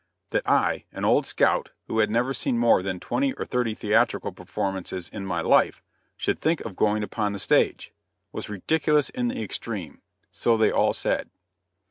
That I, an old scout who had never seen more than twenty or thirty theatrical performances in my life, should think of going upon the stage, was ridiculous in the extreme so they all said.